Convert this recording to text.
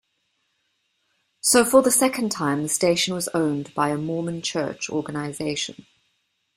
So for the second time, the station was owned by a Mormon Church organization.